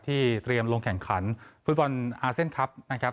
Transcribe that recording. เตรียมลงแข่งขันฟุตบอลอาเซียนคลับนะครับ